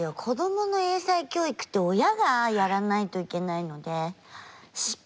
子供の英才教育って親がやらないといけないので。